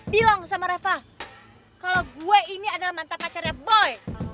bilang sama reva kalau gue ini adalah mantan pacarnya boy